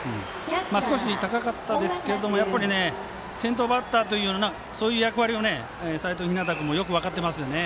少し高かったですがやっぱり先頭バッターというそういう役割を齋藤陽君もよく分かってますよね。